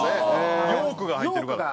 ヨークが入ってるから。